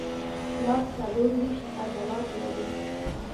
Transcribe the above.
لاس څلورویشت عضلات لري.